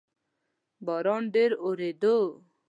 باران ډیر اوورېدو